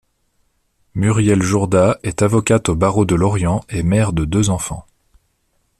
Muriel Jourda est avocate au barreau de Lorient et mère de deux enfants.